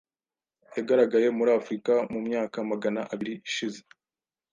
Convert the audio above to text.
yagaragaye muri Afurika mu myaka Magana abiri ishize